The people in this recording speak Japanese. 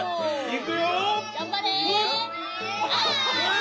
いくよ。